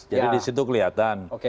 jadi di situ kelihatan